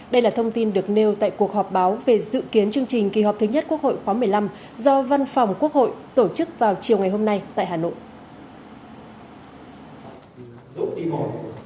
đây là thông tin được nêu tại cuộc họp báo về dự kiến chương trình kỳ họp thứ nhất quốc hội khóa một mươi năm do văn phòng quốc hội tổ chức vào chiều ngày hôm nay tại hà nội